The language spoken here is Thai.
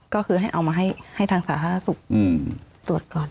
ก็คือเอามาให้ทางสาธารณสุข